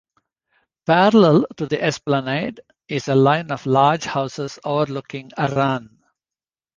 Parallel to the esplanade is a line of large houses overlooking Arran.